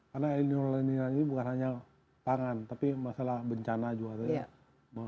karena elinor dan lain lain ini bukan hanya pangan tapi masalah bencana juga ada ya